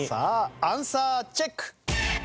アンサーチェック！